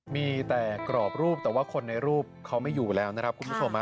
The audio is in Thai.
มีแต่กรอบรูปแต่ว่าคนในรูปเขาไม่อยู่แล้วนะครับคุณผู้ชม